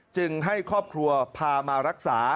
จึงให้ครอบครัวพามารักษา